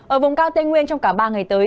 ở vùng cao tây nguyên trong cả ba ngày tới